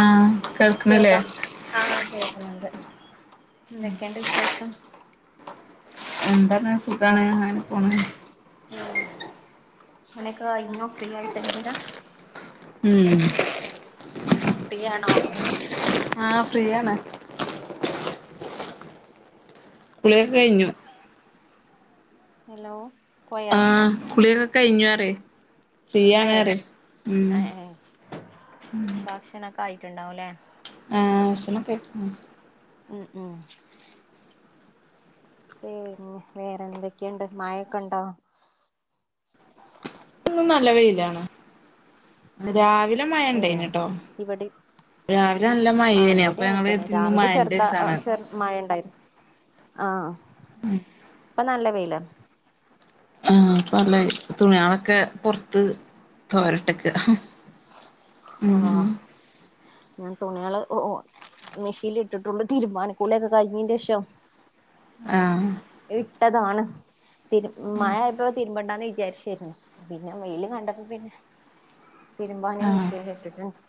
ആഹ് കേൾക്കണില്ലേ കേൾക്കാം ആഹ കേൾക്കൻുണ്ട് എന്തൊക്കെയണ്ട് വിശേഷം എന്തണ സുഖാണ് അങ്ങനെ പോണ പണിയൊക്കെ കഴിഞ്ഞോ ഫ്രീ ആയിട്ട ഇരിന്നതാ ഉം ഫ്രീയണോ ആ ഫ്രീയാണ് കുളിയൊക്കെ കഴിഞ്ഞു ഹലോ പോയോ ആഹ കുളിയൊകെ കയിഞ്ഞു പറയെ ഏ ഏ ഭക്ഷണക്കേ ആയി ഒ ഉണ്ടാവല്ലേ ആഹ ഭാഷാനൊക്കെ അയിക്കുന്നു ഉ ഉ പിന്നെ വേറെ എന്തൊക്കെയുണ്ട് മായൊക്കെണ്ടോ ന്നും നല്ല വയിലാണ് രാവിലെ ഏഹ് മഴണ്ടായിന്നുട്ടോ ഇവിടെ രാവിലെ നല്ല ആഹ് മയേനെ ഇവിടെ അപ്പൊ അങ്ങനെ ഞങ്ങള തന്നെ കത്തിന്ന് രാവിലെ മായന്റിസാണ് ആ ഉം ഇപ്പൊ നല്ല വെയില ആപ്പനല്ല തുണികളൊക്കെ പൊറത്ത് തോരട്ടക്ക്. ആ ഞാൻ തുണിയാള്ഓഓ മെഷീൽ ഇട്ടിട്ടുള്ള തീരുമാന കു യൊക്കെ കഴിഞ്ഞീന് ശേഷം ആ ഇട്ടതാണ് തിരു മഴ ഇപ്പോ തിരുമ്പണ്ടാന്ന് വിചാരിച്ചരുന്നു പിന്നെ വെയില് കണ്ടപ്പോ പിന്നെ പെരുമ്പാനയും മഷ ആഹ് ഇട്ടിട്ടുണ്ട്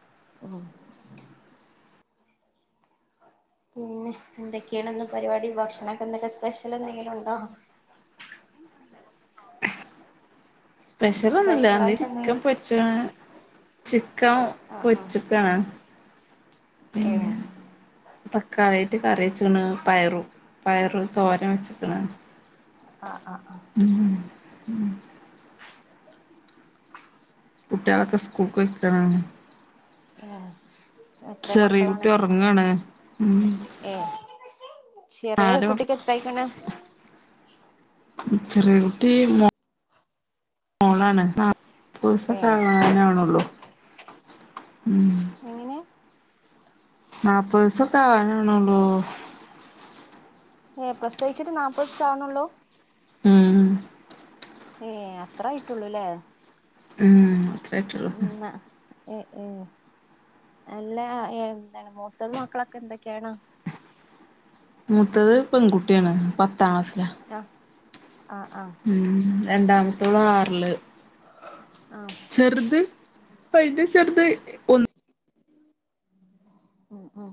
ഉഓ പിന്നെ എന്തൊക്കെയാണ്ന്ന് പരിപാടി ഭക്ഷണൊക്കെന്തൊക്കെ സ്പെഷ്യൽ എന്തെങ്കിലും ഉണ്ടോ? ൻ പറണ [inaudible] സ്പെഷ്യൽ ഒന്നുംല്ല സ്പെഷ്യലായിട്ട് ഇന്ന്ചിക്കൻ എന്തെങ്കിലും പൊരിച്ചാണ്. ചിക്കൻ ആഹ് പൊരി ആഹ് ചക്കാണ്. ഏഹ് പിന്നെ തക്കാളി കറിച്ചക്ണ് പയറു പയറ്തോര വെച്ചിക്കണ്. ആ ആ ഉ ഉ കുട്ടികളൊക്കെ സ്കൂൾക്ക് പൊയ്ക്കാണ്. ആഏ [inaudible] ചെറിയ കുട്ടി ഉറങ്ങാണ് ഉ ഏഹ് ചെറിയ കുട്ടിക്ക് എത്ര യ്ക്കണ ചെറിയ കുട്ടി മോളാണ്. പസ ഏഹ് സധന ആണല്ലോ ഉ [unintelligible] എങ്ങനെ നാല്പ്പ ദിവസൊക്കെ ആവാനാണള്ളൂ. ഏ പ്രസവിച്ചിട്ട് നാപ്പത് സം ആവുണഉള്ളൂ. ഉം ഏ അത്രായിട്ടുള്ളൂല്ലേ? ഉം അത്രായിട്ടുള്ളൂ. ഏ ഏ നല്ല എന്താണ് മൂത്ത മക്കളൊക്കെ എന്തൊക്കെയാണ്. മൂത്തത് പെൺകുട്ടിയാണ് പത്താം ക്ലാസ്സിലാ ആഹ് ആഹ് ആഹ് ഉം രണ്ടാമത്തോള് ആറല് ആഹ് ചെറുത് അയ്ന്റെ ചെറുത് ഒന്ന് ഉം ഉം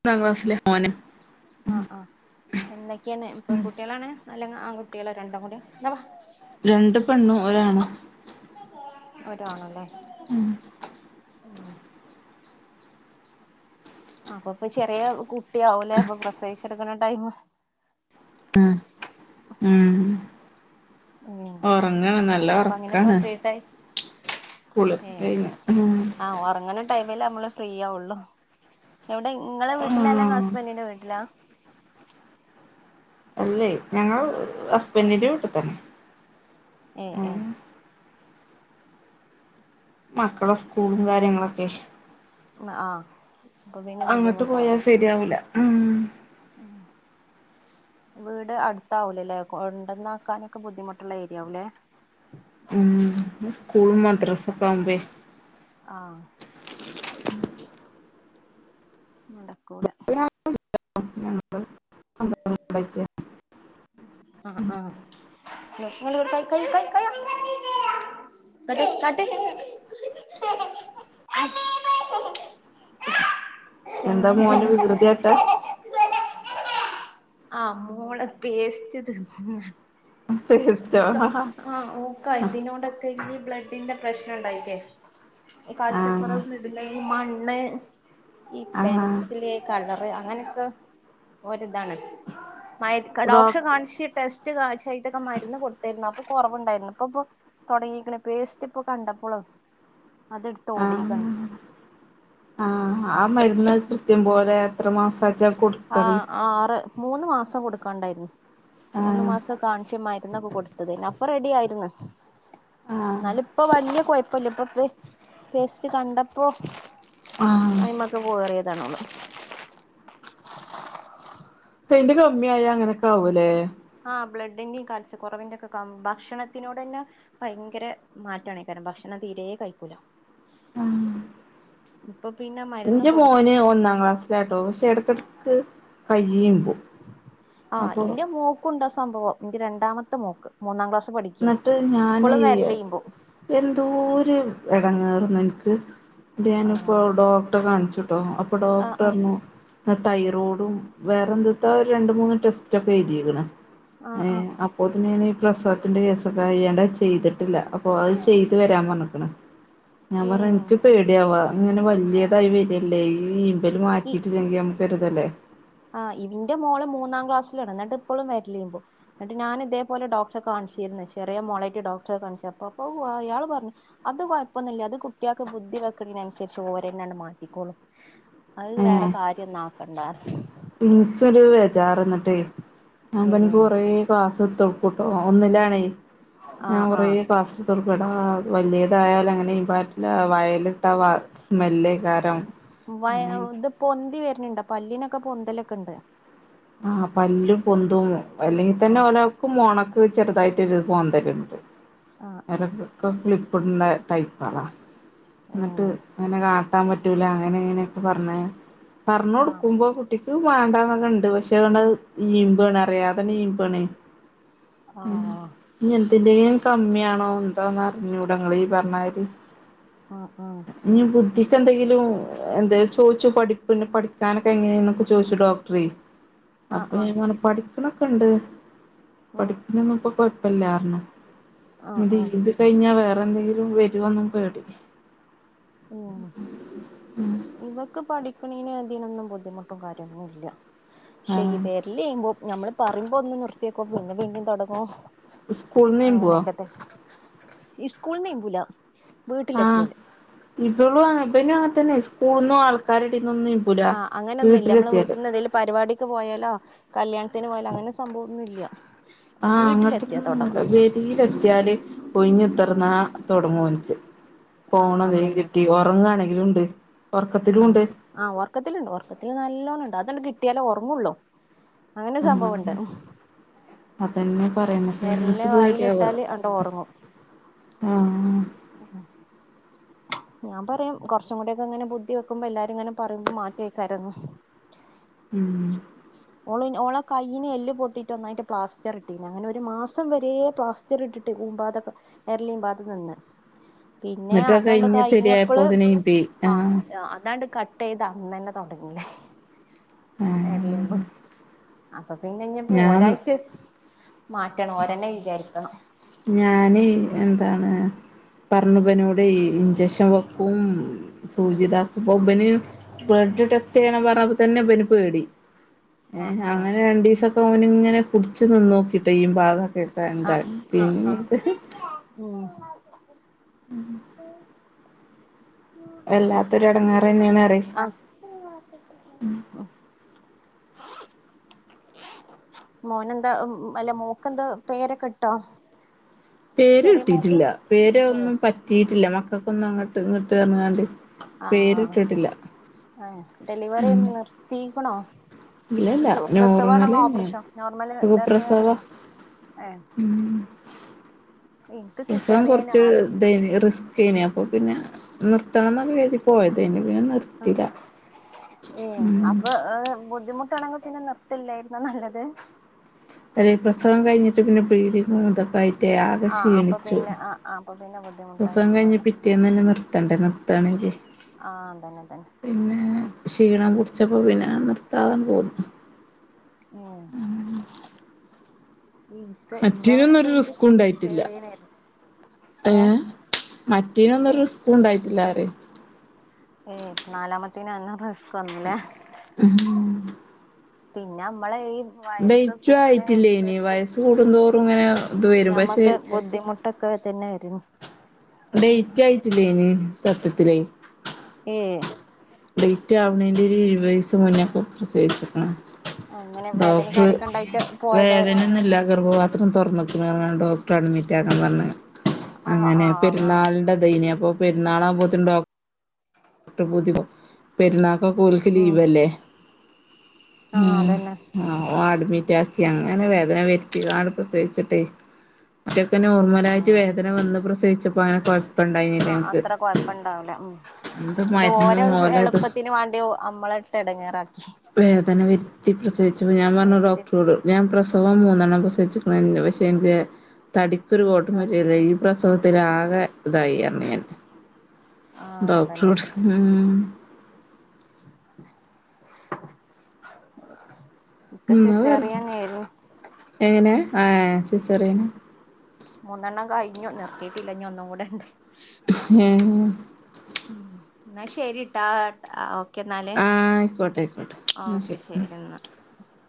ഒന്നാം ക്ലാസ്സിലെ മോന ആഹ് ആഹ് എന്തൊക്കെയന്നെ ഉം പെൺകുട്ടികളാണ് അല്ലെ ആൺകുട്ടികളോ രണ്ടുംകൂടി എന്തവാ രണ്ട് പെണ്ണും ഒരാണും ഒരാണ അല്ലേ? ഉം ആ [inaudible] ആ അപ്പൊ ഇപ്പ ചെറിയ കുട്ടിയവുലേ അപ്പൊ പ്രസവിച്ചെടുക്കണ ടൈം - ആ ഉം. ഏഹ് ഒറങ്ങണ് നല്ല അപ്പൊ അങ്ങനെ ഇപ്പ ഒറക്കാണ്. ഫ്രീ ടൈം കൂളിക്കെകഴിഞ്ഞ - ടൈമിൽ നമ്മള് ഫ്രീ ആവുള്ളു. എവിടെ ഇങ്ങള വീട്ടിലെല്ലാം ആഹ് ബന്റനീന്റെ വീട്ടിലാ അല്ലേ ഞങ്ങൾ അസ്ബന്റിന്റെ വീട്ടിതന്നെ. ഏ ഏ മക്കളെ സ്കൂളും കാര്യങ്ങളൊക്കെ ആ അപ്പൊ പിന്നെ ബുദ്ധിമുട്ടാവൂലോ. മ്മ് ഉം വീട് അടുത്താവുലല്ലേ കൊണ്ടന്നാക്കാനൊക്കെ ബുദ്ധിമുട്ടുള്ള ഏരിയാവുല്ലേ. മം സ്കൂളും മദ്രാസ ഒക്കെ ആവുമ്പേ ആ നടക്കൂല. [unintelligible] ആ ആ [unintelligible] [unintelligible] എന്താ പിന്നെ മോന് വികൃതിയാട്ടാ ആ മോള് പേസ്റ്റ് തിന്ന്. ടേസ്റ്റോ ഓക്ക് ആ ഓക്കാതിനോടൊക്കെ ഇനി ബ്ലഡിന്റെ പ്രശ്നണ്ടായിട്ടേ ഈ കാഴ്ച്ച ആഹ് കുറവ് ബ്ലഡില് മണ്ണ് ഈ ആഹ് പെൻസില് കളറ്അ അങ്ങനെയൊക്കെ ഓരിതാണ് മയക്ക് ഡോക്ടറെ റോക്ക് കാണിച്ച് ടെസ്റ്റ് സ്റ്റു ചെയ്തൊക്കെ മരുന്ന് കൊടു ത്തായിരുന്നു അപ്പൊ കുറവുണ്ടായിരുന്നു ഇപ്പൊപ്പൊ തുടങ്ങിക്കണ് പേസ്റ്റ് ഇപ്പൊ കണ്ടപ്പള് അതെടുത്ത് ഓടിയെക്കാണ്. ആഹ് ആഹ് ആ മരുന്ന് കൃത്യം പോലെ എത്ര മാസാച്ചാ ആ കൊടുത്തള്. ആറ് മൂന്ന് മാസം കൊടുക്കാണ്ടായിരുന്നു മൂന്ന് ആഹ് മാസം കാണിച്ച മരു ന്നൊക്കെ കൊടുത്തത് അപ്പൊ റെഡി ആയിരുന്നു. ആഹ് എന്നാല് ഇപ്പം വലിയ കുഴപ്പില്ല ഇപ്പൊ ത് പേസ്റ്റ് കണ്ടപ്പോ ആഹ് അയിമ്മെക്ക് കേറിയതാ ഇതാണോള്ളത്. [unintelligible] യിന്റെ കമ്മിയായ അങ്ങനെയൊക്കെ ആവൂല്ലേ ആ ബ്ലഡിന്റെയും കാഴ്ച്ചക്കുറവിന്റെയൊക്കെ കമ്മ് ഭക്ഷണത്തിനോട് തന്നെ ഭയങ്കര മാറ്റവാണ് [unintelligible] തീരെ കഴിക്കൂല. ആഹ് ഇപ്പൊ പിന്നെ മരുന്ന് എന്റെ കൊടുത്തി മോന് ഒന്നാം ക്ലാസ്സിലാട്ടോ പക്ഷെ ഇടക്കിടക്ക് കയ്യും ആഹ് എന്റെ മോക്കും ഉണ്ടാ സംഭവം എന്റെ രണ്ടാമത്തെ മോക്ക് മൂന്നാം ക്ലാസ് പഠിക്കാണ് എന്നിട്ട് ഞാന് ഇപ്പളും ഈ വെരലെയ്യും പോവും എന്തോരു ഇടങ്ങേറന്ന് എനിക്ക് എന്നിട്ട് ആ ഞാനിപ്പോ ഡോക്ടറെ കാണിച്ചു ട്ടോ അപ്പൊ ആ ഡോക്ടറ് ആ പറഞ്ഞു തൈറോയ്ഡും വേറെ എന്തുതോ ഒരു രണ്ടു മൂന്ന് ടെസ്റ്റ് ഒക്കെ എഴുതിയേക്കണ് ആ ആ ഏഹ് അപ്പോത്തിന് ഞാന് പ്രസവ ത്തിന്റെ കേസൊക്കെ അയ്യാണ്ടത് ചെയ്തിട്ടില്ല അപ്പൊ അത് ചെയ്ത് വരാൻ പറഞ്ഞക്കണ് ഞാൻ ഏ പറഞ്ഞ് എനിക്ക് പേടിയവാ ഇങ്ങനെ വലിയതായി വരല്ലേ ഈ ല് മാറ്റിയിട്ടില്ലെങ്കില് നമുക്ക് ഒരുതല്ലേ ആ എൻ്റെ മോള് മൂന്നാം ക്ലാസിലാണ് എന്നിട്ട് ഇപ്പളും വരലുമ്പോ എന്നിട്ട് ഞാനിതേപോലെ ഡോക്ടറെ കാണിച്ച ചെറിയ മോളെയിട്ട് ഡോക്ടറെ കാണിച്ചപ്പൊ അപ്പൊ അയാൾ പറഞ്ഞു അത് കൊഴപ്പൊന്നില്ല അത് കുട്ടികൾക്ക് ബുദ്ധി വെക്കണനുസരിച്ച് ഓരന്നെ ആണ്ട് മാറ്റിക്കോളും അത് വേറെ ഏഹ് കാര്യം ഒന്നാക്കണ്ട പറഞ്ഞ് എനിക്കൊരു ബെജാർ എന്നിട്ടേ ഞാൻ പിന്നെ എനിക്ക് ഏഹ് കൊറേ ക്ലാസ് തൊ ട്ട് ഒന്നിലാണേ ഞാൻ ആഹ് കുറെ ആഹ് ക്ലാസ് എടുത്തു കൊടു ഇവിട വലിയതായ അങ്ങനെ ഈ ബാറ്റില വായേൽ ഇട്ട സ്മെല്ല് മം വയ ഇത് പൊന്തി വരണണ്ടോ പല്ലീനൊക്കെ പൊന്തലൊക്കെ ഉണ്ട് ആ പല്ലും പൊന്തും അല്ലെങ്കി തന്നെ ആഹ് ഓരാക്കും മോണക്ക് ചെറുതായിട്ടു ഒരിത് പൊന്തലുണ്ട് ആഹ് ആഹ് ക്കൊക്കെ ക്ലിപ്പ് ഇടണ്ട ടൈപ്പുകള എന്നിട്ട് ഏഹ് അങ്ങനെ കാട്ടാൻ പറ്റൂല അങ്ങനെ ഇങ്ങനെയൊക്കെ പറഞ്ഞേ പറഞ്ഞ് ആഹ് കൊടുക്കുമ്പോ കുട്ടിക്ക് വേണ്ടന്നൊക്കെ ഉണ്ട് പക്ഷെ എനിക്ക് തോന്നുന്ന ഈമ്പണ് അറിയാതന്നെ ഈമ്പണേ ആഹ് എന്തിന്റെങ്കിലും കമ്മിയാണോ എന്താറിഞ്ഞൂട ഇങ്ങളീ പറഞ്ഞ മാരി ആഹ് ആഹ് ഇഞ്ഞി ബുദ്ധിക്ക് എന്തെങ്കിലും എന്നോട് ചോദിച്ചു എന്തെങ്കിലും പഠിപ്പിനെ പഠിക്കാനൊക്കെ എങ്ങനെയന്നൊക്കെ ചോയ്ച്ചു ഡോക്ടറെയ് ആഹ് അപ്പൊ ആഹ് ഞൻ പറഞ്ഞു പഠിക്ക്ണൊക്കെ ഇണ്ട് ആഹ് ആഹ് ആഹ് ഉം പഠിപ്പിനൊന്നും ഇപ്പൊ കൊഴപ്പല്ലാന്ന് പറഞ്ഞു ആ ആ ആ ആ ആ ആ ആ ഇതീമ്പി കഴിഞ്ഞാ വേറെ എന്തെങ്കിലും വരോന്നും പേടി ഉം ഇവക്ക് പഠി പഠിക്ക്ണീനൊ അതിനൊന്നും ബുദ്ധിമുട്ടും കാര്യങ്ങളും ഇല്ല പക്ഷെ ഈ ആഹ് വെരലീമ്പും ഞമ്മള് പറയുമ്പോ ഒന്ന് നിർത്തിവെക്കും പിന്നെ പിന്നീം തൊടങ്ങും സ്കൂൾന്ന് ഈമ്പോ ഇസ്കൂളിന്ന് ഈമ്പൂല വീട്ടിലെത്തിയാല് ഇബളും അങ്ങനെ ഇബനും അങ്ങനെ തന്നെ സ്കൂൾ സ്കൂൾന്നും ആൾക്കാരെടീന്നൊന്നും ഈമ്പൂല വീട്ടിലെത്തിയാല് പുറത്തേക്കു പോയാലോ കല്യാണത്തിന് പോയാലോ അങ്ങനെ സംഭവൊന്നും ഇല്ല ആഹ് വീട്ടിലെത്തിയാ തൊടങ്ങും പെരീലെത്തിയാല് ഒഴിഞ്ഞുത്തിർ ആഹ് ന്നാ തുടങ്ങോന് ഫോൺ ആഹ് കൈ അതന്നെ കിട്ടി ഉറങ്ങാണെങ്കിലും ഇണ്ട് ആഹ് ആ ഒർക്കത്തിലുണ്ട് ഒ ർക്കത്തില് നല്ലോണംണ്ട് അതണ്ട് കിട്ടിയാലേ ഉറങ്ങൊള്ളു അങ്ങനെരു സംഭവംണ്ട് ആഹ് അതന്നെ പറയ്ണത് എന്ത് പേടിയാവോ വായിലിട്ടാല് അത് ആണ്ട് ഒറങ്ങും ആഹ് [inaudible] ഞാൻ പറയും കുറച്ചും കൂടിയൊക്കെ ഇങ്ങനെ ബുദ്ധി വെക്കുമ്പോ എല്ലാരും ഇങ്ങനെ പറയുമ്പോ മാറ്റോക്കാരംന്ന് ഉം ഓളെ കയ്യിന് എല്ല് പൊട്ടീട്ടൊന്നായിട്ട് പ്ലാസ്റ്റർ ഇട്ടീന്ന് അങ്ങനെ ഒരു മാസം വരേ പ്ലാസ്റ്റർ ഇട്ടിട്ട് വെരലീമ്പാതെ നിന്ന് പിന്നെ എന്നിട്ട് അത് അതണ്ട് കഴിഞ്ഞ് കഴിഞ്ഞപ്പള് ശരിയായപ്പോത്തിന് ബി ആ ആഹ് അതണ്ട് ക കട്ടീത അന്നന്നെ തൊടങ്ങി വെരലീമ്പ് ആഹ് അപ്പൊ പിന്നഞ്ഞിപ്പൊ ഞാൻ ഓരായിട്ട് മാറ്റണം ഓരന്നെ വിചാരിക്കണം ഞാന് എന്താണ് പറ ഞ്ഞുബനോടെയ് ഇഞ്ചക്ഷൻ വെക്കും ഉം സൂചിതാക്കുമ്പൊ ഇബന് ബ്ലഡ് ടെസ്റ്റ് ചെയ്യണം പറഞ്ഞപ്പത്തന്നെ ഇബന് പേടി. ആഹ് ഏഹ് അങ്ങനെ രണ്ടീസൊക്കെ ഓന് ഇങ്ങനെ പുടിച്ച് നിന്നോക്കിട്ടോ ഈമ്പാതെ ഇപ്പ എന്താ ആഹ് ആഹ് ആഹ് പിന്നീത് ആഹ് ഉം [inaudible] വല്ലാത്തൊരെടങ്ങാറ് തന്നെയാണ് പറയേയ് ആഹ് [inaudible] മോനെന്താ അല്ല മോക്കെന്താ പേരൊക്കെ ഇട്ടോ പേര് ചെറിയ മോക്ക് കിട്ടീട്ടില്ല പേര് ഏഹ് ഒന്നും പറ്റീട്ടില്ല മക്കൾക്കൊന്നും അങ്ങട്ട് ഇങ്ങിട്ട് പറഞാണ്ട് ആഹ് ആ ഡെലിവറി എന്താ നിർത്തീക്ക്ണോ ഇല്ലല്ല നോർമലന്നെ ഓപ്പറേഷനോ നോർമൽ ഡെലിവറി സുഖപ്രസവം ആണോ ഏഹ് ഉം എനിക്ക് ഇപ്പം കുറച്ച് സിസേറിയനാണ് ഇതെയ്ന്നു റിസ്കേയ്നു. ‌ അപ്പൊ പിന്നെ നിർത്തണംന്നൊക്കെ കര് തി പോയതേന്നു പിന്നെ നിർത്തീല. ഏഹ് ഉം അപ്പൊ [unintelligible] നിർത്തില്ലായിരുന്നോ നല്ലത് പ്രസവം കഴിഞ്ഞിടട്ട് പിന്നെ ബ്ലീഡിങ്ങും ഒക്കെതായിറ്റെ ആകെ ആഹ് അപ്പൊ ക്ഷീണിച്ചു പിന്നെ ആഹ് അപ്പൊ പിന്നെ പ്രസവം കഴിഞ്ഞ് ബുദ്ധിമുട്ടായിട്ടുണ്ടാവില്ല പിറ്റേന്നന്നെ നിർ നിർത്തണ്ടെ നിർത്താണെങ്കി ആഹ് അതന്നെ അതന്നെ പിന്നെ ക്ഷീണം പുടിച്ചപ്പോ പിന്നെ നിർത്താതൺ പോന്നു ആ ഇൻക്ക് ഇന്റെ മറ്റേനൊന്നും അവസ്ഥ ഇൻക്ക് സിസേറിയനായിരുന്നു ഏഹ് മറ്റീനൊന്നൊരു റിസ്കും ഇണ്ടായിട്ടില്ല റയേയ് ഏയ് നാലാമത്തേന് അന്ന റിസ്ക് ഒന്നുംല്ല പിന്നെ നമ്മളെ ഈ വയസ്സ് ടെറ്റു ആയിട്ടില്ലേനിം കൂടുന്നതിനനുസരിച്ച് വയസ്സ് കൂടുന്തോറും ഇങ്ങനെ ഇത് വരും പക്ഷെ ഞമ്മക്ക് ബുദ്ധിമുട്ടൊക്കെ തന്നെ വരു ഡേറ്റ് ആയിട്ടില്ലേന് സത്യത്തിലേ ഏ ഡേറ്റ് ആവണെന്റെ ഒരു ഇരുപത് വയസ് മുന്നേക്ക പ്രസവിച്ചിക്ക് അങ്ങനെ ണ് വേദന ഡോക്ർ കാര്യൊക്കെ ഉണ്ടായിട്ട് പോയതായിരുന്നോ വേദനയൊന്നല്ല ഗർഭവാത്ര അത്ര തുറന്നക്കുണ്ന്ന് പറഞ്ഞാണ്ട് ഡോക്ടർ അഡ്മിറ്റ് ആക്കാൻ പറഞ് ആഹ് അങ്ങനെ ആഹ് അങ്ങനെ പെരുന്നാളിന്റെതൈനി അപ്പൊ പെരുന്നാളാകുമ്പോത്തിന് [unintelligible] പെരുന്നാ ഒക്കെ ഓൽക്ക് ഉം ലീവല്ലെ ആഹ് ഉമ് അതന്നെ അഡ്മിറ്റ് ആക്കി അങ്ങനെ വേദന വേർതിക്കാണ്ട് പ്രസവിച്ചിട്ടെ മറ്റൊക്കെ നോർമലായിട്ട് ആഹ് വേദന വന്ന് പ്രസവിച്ച അങ്ങനെ കൊഴപ്പണ്ടായിനില്ല ആഹ് ഇൻക്ക് അത്ര കൊഴപ്പണ്ടാവൂല ഉം ഇത് മരുന്നും ഓൽ മെ എളുപ്പത്തിന് വേണ്ടിയോ മ്മള ഇട്ട് എടങ്ങാറാക്ക വേദന വരുത്തി പ്രസവിച്ചപ്പം ഞാൻ പറഞ്ഞ വരുത്തി ഡോക്ടറോട് ഞാൻ പ്ര സവം മൂന്നെണ്ണം പ്രസിച്ച പക്ഷെ എനിക്ക് തടിക്കൊരു കോട്ടം ആഹ് പറ്റീട്ടില്ല ഈ പ്ര തകത്തി ആകെ ഇതായി ർഞെ ഞാൻ ആഹ് അതന്നെ ഡോക്ടറോട് ഉ ഉ ഇക്ക് വ സിസേറിയനായിരുന്നു എങ്ങനെയാ ആഹ സിസറിയന മൂന്നെണ്ണം കഴ്ഞ്ഞു നിർത്തീട്ടില്ല ഞ് ഒന്നും കൂടെണ്ട് ഏ ഉം എന്നാ ശരിട്ടാ ക്കെ എന്നാലേ ആഹ് ആയിക്കോട്ടെ ആയിക്കോട്ടെ എന്നാ ഓക്കെ ശരി എന്നാൽ